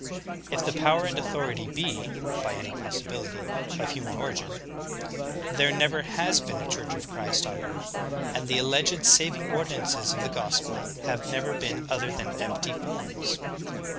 If the power and authority be, by any possibility, of human origin, there never has been a Church of Christ on earth, and the alleged saving ordinances of the gospel have never been other than empty forms.